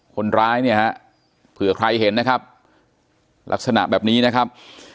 คนร้ายเนี่ยฮะเผื่อใครเห็นนะครับลักษณะแบบนี้นะครับ